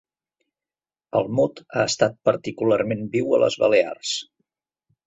El mot ha estat particularment viu a les Balears.